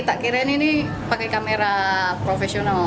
tak kirain ini pakai kamera profesional